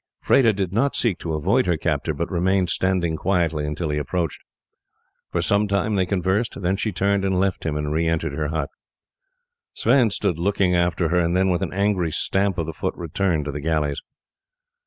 Freda did not seek to avoid her captor, but remained standing quietly until he approached. For some time they conversed; then she turned and left him and re entered her hut. Sweyn stood looking after her, and then with an angry stamp of the foot returned to the galleys.